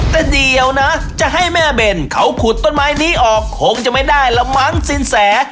แต่เดี๋ยวนะจะให้แม่เบนเขาขุดต้นไม้นี้ออกคงจะไม่ได้ละมั้งสินแส